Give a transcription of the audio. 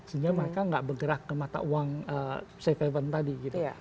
sehingga mereka nggak bergerak ke mata uang safe haven tadi gitu